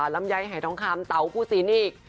ลำไยหายน้องคามเต๋าฟูสีนีก